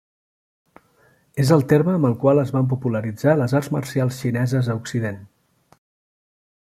És el terme amb el qual es van popularitzar les arts marcials xineses a Occident.